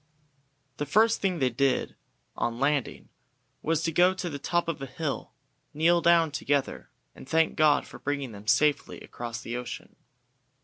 The first thing they did on landing was to go to the top of a hill, kneel down together, and thank God for bringing them safely across the ocean.